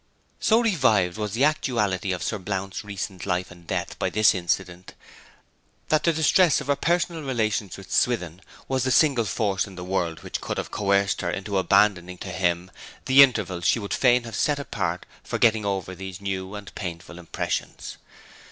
So revived was the actuality of Sir Blount's recent life and death by this incident, that the distress of her personal relations with Swithin was the single force in the world which could have coerced her into abandoning to him the interval she would fain have set apart for getting over these new and painful impressions.